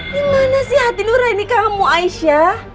dimana sih hati lurah ini kamu aisyah